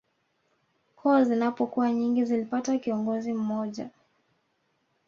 Koo zinapokuwa nyingi zilipata kiongozi mmoja